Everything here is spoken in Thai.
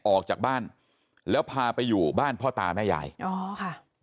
ออกจากบ้านแล้วพาไปอยู่บ้านพ่อตาแม่ยายอ๋อค่ะ